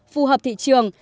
phù hợp thị trường